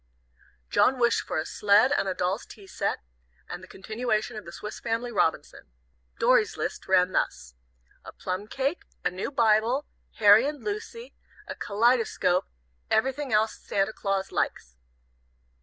John wished for a sled and a doll's tea set, and the continuation of the Swiss Family Robinson. Dorry's list ran thus: "A plum cake, A new Bibel, Harry and Lucy, A Kellidescope, Everything else Santa Claus likes."